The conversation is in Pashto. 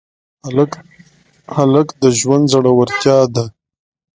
هلک د ژوند زړورتیا ده.